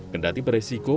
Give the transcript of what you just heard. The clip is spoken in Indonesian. kendati beresiko pada